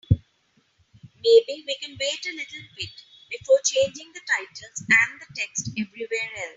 Maybe we can wait a little bit before changing the titles and the text everywhere else?